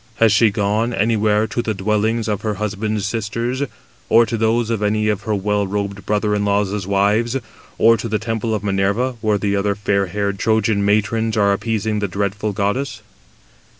Has she gone anywhere [to the dwellings] of her husband's sisters, or [to those] of any of her well robed brother in laws' wives, or to the temple of Minerva, where the other fair haired Trojan matrons are appeasing the dreadful goddess?"